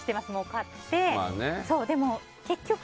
買って、結局。